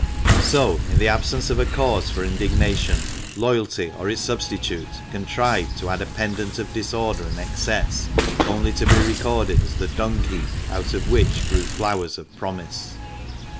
So, in the absence of a cause for indignation, loyalty, or its substitute, contrived to add a pendant of disorder and excess only to be recorded as the dung heap out of which grew flowers of promise.